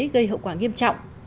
gây hậu quả nghiêm trọng